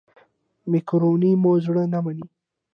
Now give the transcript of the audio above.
مېکاروني مو زړه نه مني.